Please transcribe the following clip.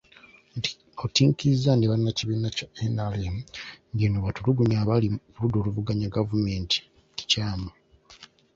Okutinkiza ne bannakibiina kya NRM ng'eno bwe batulugunya abali ku ludda oluvuganya gavumenti kikyamu.